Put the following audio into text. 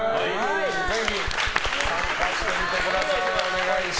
ぜひ参加してみてください。